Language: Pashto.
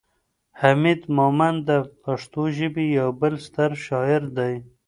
حمید مومند د پښتو ژبې یو بل ستر شاعر دی.